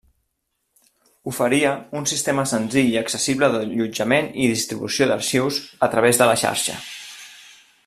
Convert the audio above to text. Oferia un sistema senzill i accessible d'allotjament i distribució d'arxius a través de la xarxa.